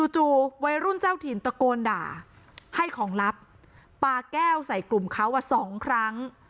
จู่วัยรุ่นเจ้าถิ่นตะโกนด่าให้ของลับปาแก้วใส่กลุ่มเขาสองครั้ง